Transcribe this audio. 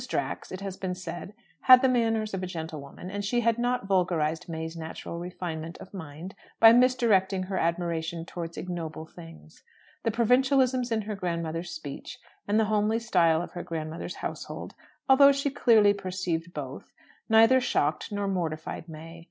Drax, it has been said, had the manners of a gentlewoman, and she had not vulgarized May's natural refinement of mind by misdirecting her admiration towards ignoble things. The provincialisms in her grand mother's speech, and the homely style of her grand mother's household although she clearly perceived both neither shocked nor mortified May.